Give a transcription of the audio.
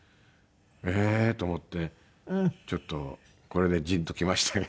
ええー！と思ってちょっとこれでジーンときましたね。